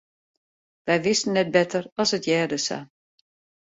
Wy wisten net better as it hearde sa.